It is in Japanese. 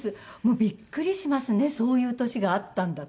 びっくりしますねそういう年があったんだって。